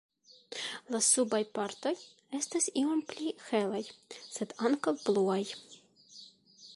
La subaj partoj estas iom pli helaj, sed ankaŭ bluaj.